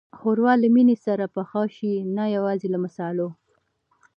ښوروا له مینې سره پخه شي، نه یوازې له مصالحو.